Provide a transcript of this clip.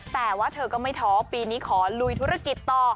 แต่ว่าเธอก็ไม่ท้อปีนี้ขอลุยธุรกิจต่อ